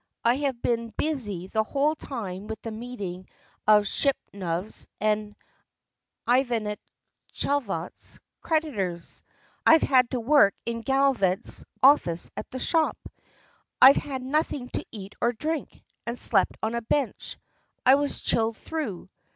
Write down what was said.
I have been busy the whole time with the meeting of Shipunov's and Ivantchikov's creditors; I had to work in Galdeyev's office at the shop. ... I've had nothing to eat or to drink, and slept on a bench, I was chilled through